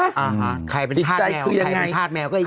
อ่าฮะใครเป็นธาตุแมวใครเป็นธาตุแมวก็อีก